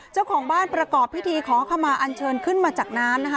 เจ้าของบ้านประกอบพิธีขอขมาอันเชิญขึ้นมาจากน้ำนะคะ